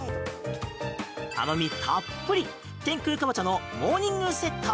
甘味たっぷり、天空かぼちゃのモーニングセット。